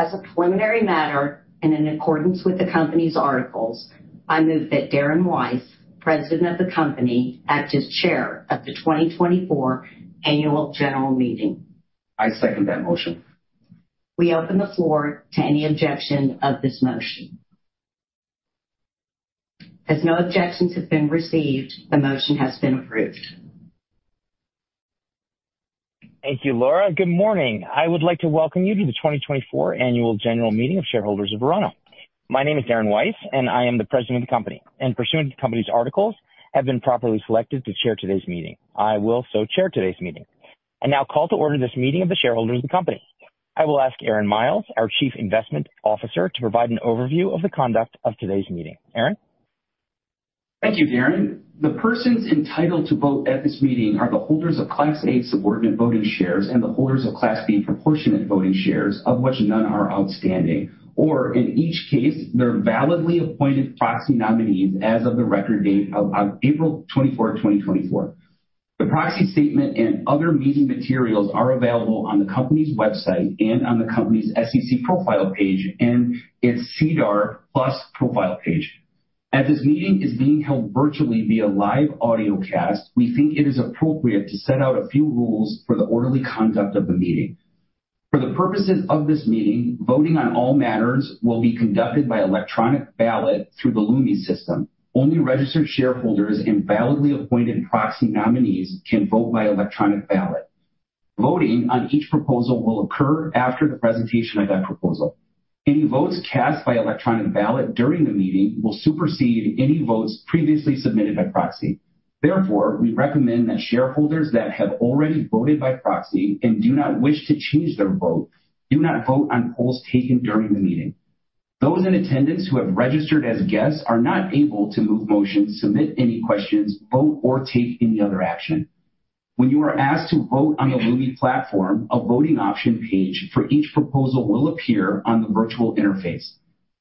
As a preliminary matter and in accordance with the company's articles, I move that Darren Weiss, President of the Company, act as Chair of the 2024 Annual General Meeting. I second that motion. We open the floor to any objection of this motion. As no objections have been received, the motion has been approved. Thank you, Laura. Good morning. I would like to welcome you to the 2024 Annual General Meeting of Shareholders of Verano. My name is Darren Weiss, and I am the President of the Company, and pursuant to the company's articles, have been properly selected to chair today's meeting. I will so chair today's meeting. Now, call to order this meeting of the shareholders of the company. I will ask Aaron Miles, our Chief Investment Officer, to provide an overview of the conduct of today's meeting. Aaron? Thank you, Darren. The persons entitled to vote at this meeting are the holders of Class A subordinate voting shares and the holders of Class B proportionate voting shares, of which none are outstanding, or in each case, they're validly appointed proxy nominees as of the record date of April 24, 2024. The proxy statement and other meeting materials are available on the company's website and on the company's SEC profile page and its SEDAR+ profile page. As this meeting is being held virtually via live audio cast, we think it is appropriate to set out a few rules for the orderly conduct of the meeting. For the purposes of this meeting, voting on all matters will be conducted by electronic ballot through the Lumi system. Only registered shareholders and validly appointed proxy nominees can vote by electronic ballot. Voting on each proposal will occur after the presentation of that proposal. Any votes cast by electronic ballot during the meeting will supersede any votes previously submitted by proxy. Therefore, we recommend that shareholders that have already voted by proxy and do not wish to change their vote do not vote on polls taken during the meeting. Those in attendance who have registered as guests are not able to move motions, submit any questions, vote, or take any other action. When you are asked to vote on the Lumi platform, a voting option page for each proposal will appear on the virtual interface.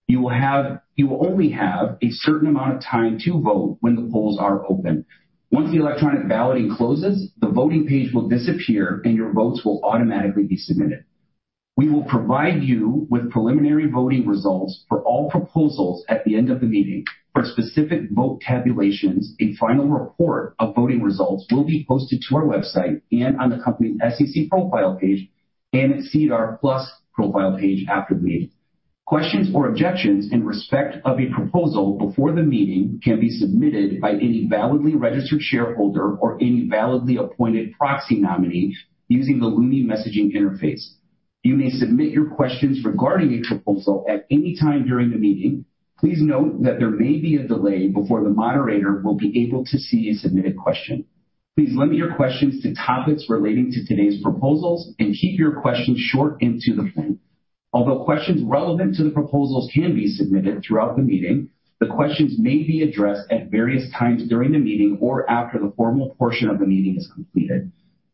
You will only have a certain amount of time to vote when the polls are open. Once the electronic balloting closes, the voting page will disappear, and your votes will automatically be submitted. We will provide you with preliminary voting results for all proposals at the end of the meeting. For specific vote tabulations, a final report of voting results will be posted to our website and on the company's SEC profile page and SEDAR+ profile page after the meeting. Questions or objections in respect of a proposal before the meeting can be submitted by any validly registered shareholder or any validly appointed proxy nominee using the Lumi messaging interface. You may submit your questions regarding a proposal at any time during the meeting. Please note that there may be a delay before the moderator will be able to see a submitted question. Please limit your questions to topics relating to today's proposals and keep your questions short and to the point. Although questions relevant to the proposals can be submitted throughout the meeting, the questions may be addressed at various times during the meeting or after the formal portion of the meeting is completed.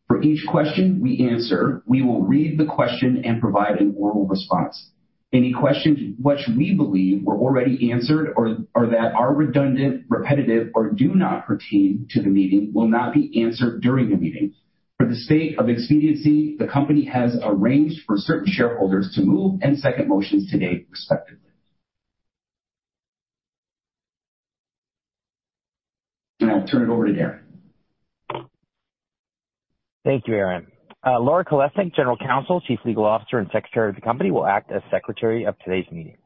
For each question we answer, we will read the question and provide an oral response. Any questions which we believe were already answered or that are redundant, repetitive, or do not pertain to the meeting will not be answered during the meeting. For the sake of expediency, the company has arranged for certain shareholders to move and second motions today, respectively. I'll turn it over to Darren. Thank you, Aaron. Laura Kalesnik, General Counsel, Chief Legal Officer, and Secretary of the Company, will act as Secretary of today's meeting.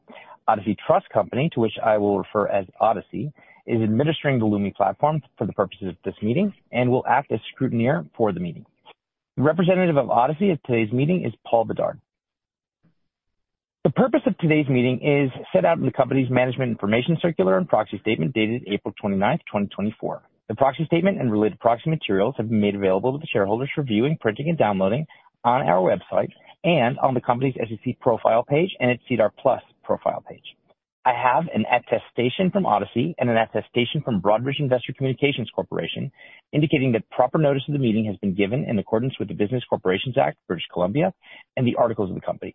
Odyssey Trust Company, to which I will refer as Odyssey, is administering the Lumi platform for the purposes of this meeting and will act as scrutineer for the meeting. The representative of Odyssey at today's meeting is Paul Bedard. The purpose of today's meeting is set out in the company's Management Information Circular and Proxy Statement dated April 29, 2024. The proxy statement and related proxy materials have been made available to the shareholders for viewing, printing, and downloading on our website and on the company's SEC profile page and its SEDAR+ profile page. I have an attestation from Odyssey and an attestation from Broadridge Investor Communications Corporation indicating that proper notice of the meeting has been given in accordance with the Business Corporations Act, British Columbia, and the articles of the company.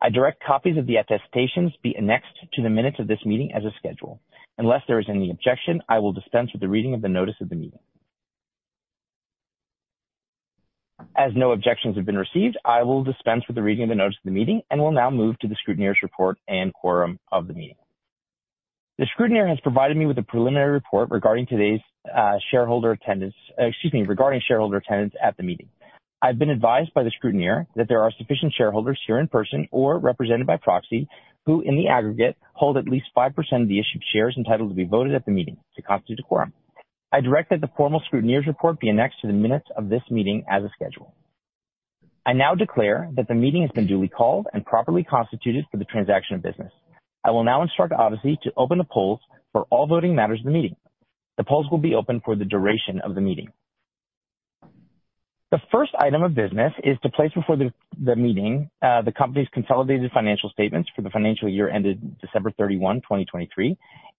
I direct copies of the attestations be annexed to the minutes of this meeting as a schedule. Unless there is any objection, I will dispense with the reading of the notice of the meeting. As no objections have been received, I will dispense with the reading of the notice of the meeting and will now move to the scrutineer's report and quorum of the meeting. The scrutineer has provided me with a preliminary report regarding today's shareholder attendance, excuse me, regarding shareholder attendance at the meeting. I've been advised by the scrutineer that there are sufficient shareholders here in person or represented by proxy who, in the aggregate, hold at least 5% of the issued shares entitled to be voted at the meeting to constitute a quorum. I direct that the formal scrutineer's report be annexed to the minutes of this meeting as a schedule. I now declare that the meeting has been duly called and properly constituted for the transaction of business. I will now instruct Odyssey to open the polls for all voting matters of the meeting. The polls will be open for the duration of the meeting. The first item of business is to place before the meeting the company's consolidated financial statements for the financial year ended December 31, 2023,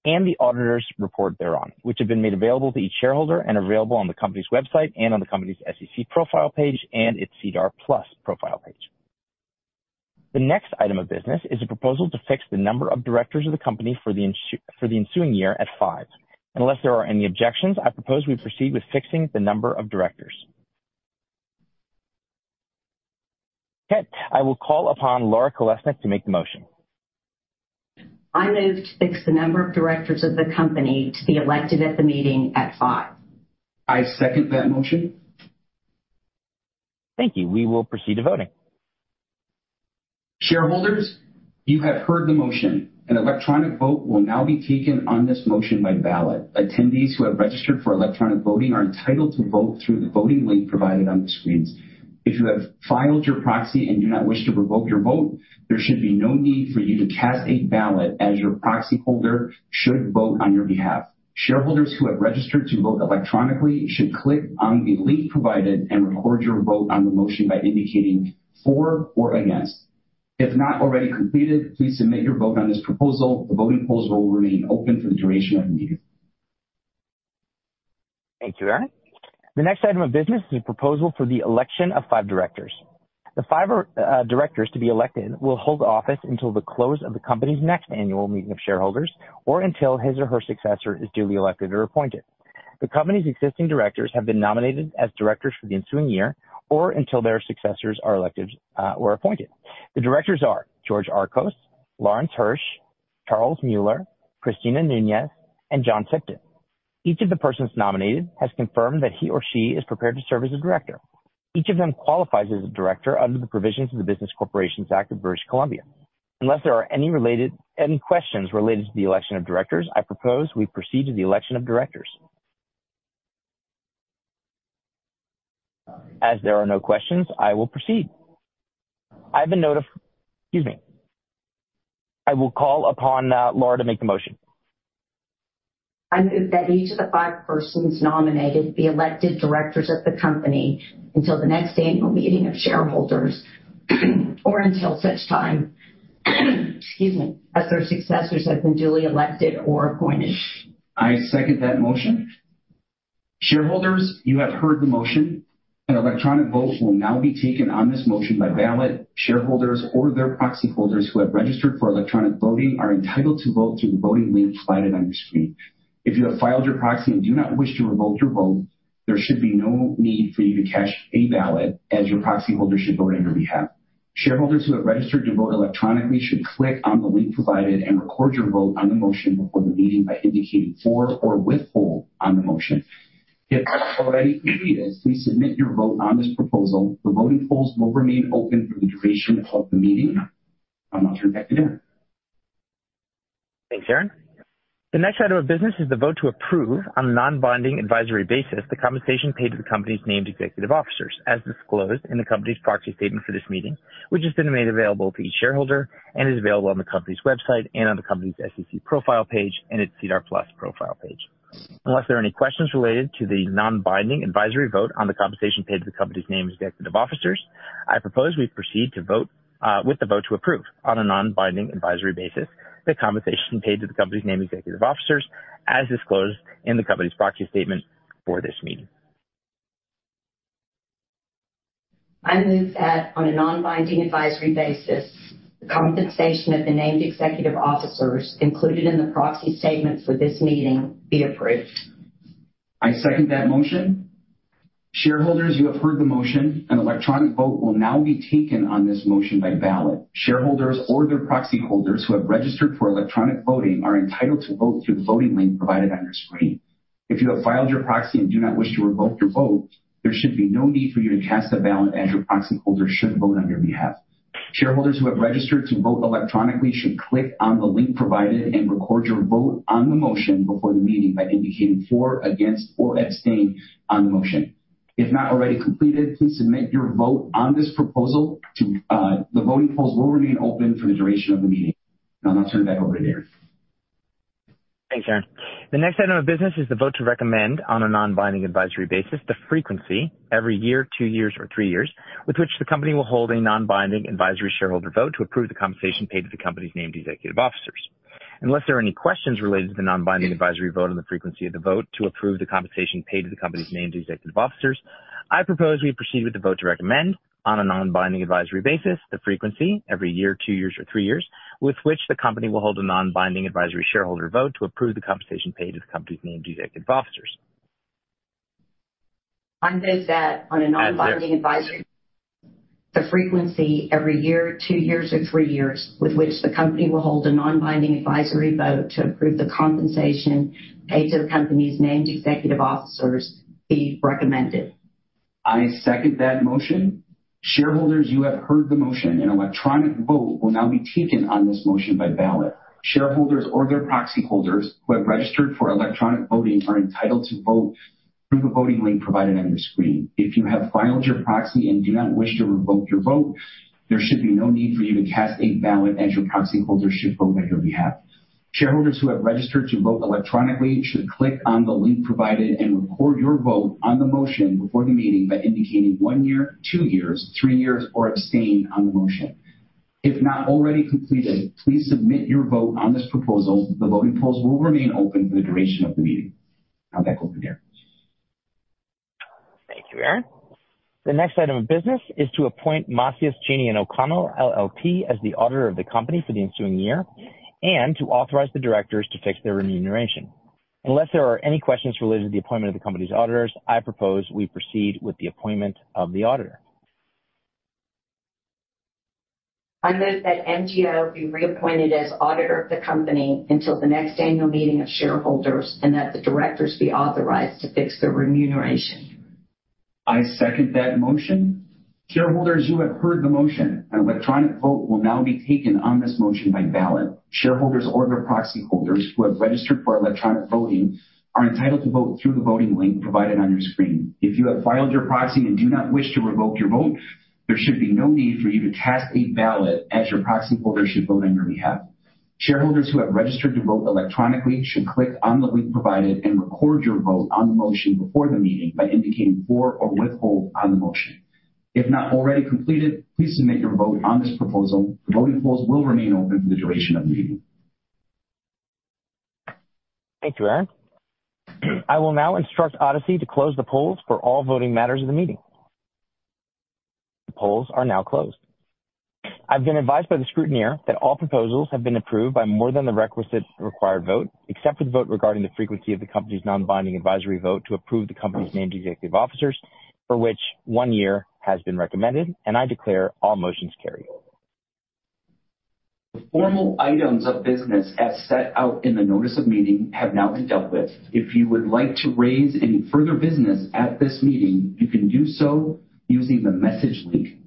and the auditor's report thereon, which have been made available to each shareholder and available on the company's website and on the company's SEC profile page and its SEDAR+ profile page. The next item of business is a proposal to fix the number of directors of the company for the ensuing year at five. Unless there are any objections, I propose we proceed with fixing the number of directors. I will call upon Laura Kalesnik to make the motion. I move to fix the number of directors of the company to be elected at the meeting at 5. I second that motion. Thank you. We will proceed to voting. Shareholders, you have heard the motion. An electronic vote will now be taken on this motion by ballot. Attendees who have registered for electronic voting are entitled to vote through the voting link provided on the screens. If you have filed your proxy and do not wish to revoke your vote, there should be no need for you to cast a ballot as your proxy holder should vote on your behalf. Shareholders who have registered to vote electronically should click on the link provided and record your vote on the motion by indicating for or against. If not already completed, please submit your vote on this proposal. The voting polls will remain open for the duration of the meeting. Thank you, Aaron. The next item of business is a proposal for the election of five directors. The five directors to be elected will hold office until the close of the company's next annual meeting of shareholders or until his or her successor is duly elected or appointed. The company's existing directors have been nominated as directors for the ensuing year or until their successors are elected or appointed. The directors are George Archos, Lawrence Hirsch, Charles Mueller, Cristina Nuñez, and John Tipton. Each of the persons nominated has confirmed that he or she is prepared to serve as a director. Each of them qualifies as a director under the provisions of the Business Corporations Act of British Columbia. Unless there are any related questions related to the election of directors, I propose we proceed to the election of directors. As there are no questions, I will proceed. I will call upon Laura to make the motion. I move that each of the five persons nominated be elected directors of the company until the next annual meeting of shareholders or until such time, excuse me, as their successors have been duly elected or appointed. I second that motion. Shareholders, you have heard the motion. An electronic vote will now be taken on this motion by ballot. Shareholders or their proxy holders who have registered for electronic voting are entitled to vote through the voting link provided on your screen. If you have filed your proxy and do not wish to revoke your vote, there should be no need for you to cast a ballot as your proxy holder should vote on your behalf. Shareholders who have registered to vote electronically should click on the link provided and record your vote on the motion before the meeting by indicating for or withhold on the motion. If already completed, please submit your vote on this proposal. The voting polls will remain open for the duration of the meeting. I'll turn it back to Darren. Thanks, Aaron. The next item of business is the vote to approve on a non-binding advisory basis the compensation paid to the company's named executive officers, as disclosed in the company's proxy statement for this meeting, which has been made available to each shareholder and is available on the company's website and on the company's SEC profile page and its SEDAR+ profile page. Unless there are any questions related to the non-binding advisory vote on the compensation paid to the company's named executive officers, I propose we proceed with the vote to approve on a non-binding advisory basis the compensation paid to the company's named executive officers, as disclosed in the company's proxy statement for this meeting. I move that on a non-binding advisory basis, the compensation of the named executive officers included in the proxy statement for this meeting be approved. I second that motion. Shareholders, you have heard the motion. An electronic vote will now be taken on this motion by ballot. Shareholders or their proxy holders who have registered for electronic voting are entitled to vote through the voting link provided on your screen. If you have filed your proxy and do not wish to revoke your vote, there should be no need for you to cast a ballot as your proxy holder should vote on your behalf. Shareholders who have registered to vote electronically should click on the link provided and record your vote on the motion before the meeting by indicating for, against, or abstain on the motion. If not already completed, please submit your vote on this proposal. The voting polls will remain open for the duration of the meeting. I'll turn it back over to Darren. Thanks, Aaron. The next item of business is the vote to recommend on a non-binding advisory basis the frequency every year, two years, or three years with which the company will hold a non-binding advisory shareholder vote to approve the compensation paid to the company's named executive officers. Unless there are any questions related to the non-binding advisory vote and the frequency of the vote to approve the compensation paid to the company's named executive officers, I propose we proceed with the vote to recommend on a non-binding advisory basis the frequency every year, two years, or three years with which the company will hold a non-binding advisory shareholder vote to approve the compensation paid to the company's named executive officers. I move that, on a non-binding advisory basis, the frequency every year, two years, or three years with which the company will hold a non-binding advisory vote to approve the compensation paid to the company's named executive officers be recommended. I second that motion. Shareholders, you have heard the motion. An electronic vote will now be taken on this motion by ballot. Shareholders or their proxy holders who have registered for electronic voting are entitled to vote through the voting link provided on your screen. If you have filed your proxy and do not wish to revoke your vote, there should be no need for you to cast a ballot as your proxy holders should vote on your behalf. Shareholders who have registered to vote electronically should click on the link provided and record your vote on the motion before the meeting by indicating one year, two years, three years, or abstain on the motion. If not already completed, please submit your vote on this proposal. The voting polls will remain open for the duration of the meeting. I'll back over to Darren. Thank you, Aaron. The next item of business is to appoint Macias Gini & O’Connell LLP as the auditor of the company for the ensuing year and to authorize the directors to fix their remuneration. Unless there are any questions related to the appointment of the company's auditors, I propose we proceed with the appointment of the auditor. I move that MGO be reappointed as auditor of the company until the next annual meeting of shareholders and that the directors be authorized to fix their remuneration. I second that motion. Shareholders, you have heard the motion. An electronic vote will now be taken on this motion by ballot. Shareholders or their proxy holders who have registered for electronic voting are entitled to vote through the voting link provided on your screen. If you have filed your proxy and do not wish to revoke your vote, there should be no need for you to cast a ballot as your proxy holder should vote on your behalf. Shareholders who have registered to vote electronically should click on the link provided and record your vote on the motion before the meeting by indicating for or withhold on the motion. If not already completed, please submit your vote on this proposal. The voting polls will remain open for the duration of the meeting. Thank you, Aaron. I will now instruct Odyssey to close the polls for all voting matters of the meeting. The polls are now closed. I've been advised by the scrutineer that all proposals have been approved by more than the requisite required vote, except for the vote regarding the frequency of the company's non-binding advisory vote to approve the company's named executive officers for which one year has been recommended, and I declare all motions carry. The formal items of business as set out in the notice of meeting have now been dealt with. If you would like to raise any further business at this meeting, you can do so using the message link.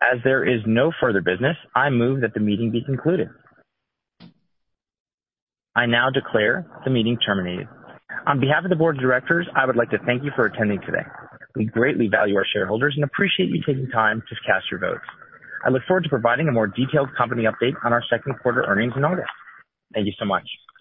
As there is no further business, I move that the meeting be concluded. I now declare the meeting terminated. On behalf of the board of directors, I would like to thank you for attending today. We greatly value our shareholders and appreciate you taking time to cast your votes. I look forward to providing a more detailed company update on our second quarter earnings in August. Thank you so much.